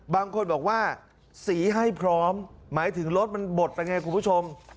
บางคนบอกว่าสีให้พร้อมหมายถึงรถมันบดไปไงคุณผู้ชม